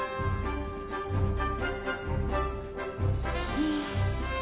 うん。